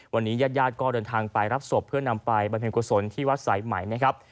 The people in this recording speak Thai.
วันนี้ญาติญาติก็เดินทางไปรับศพเพื่อนำไปบรรเพ็ญกุศลที่วัดสายใหม่นะครับ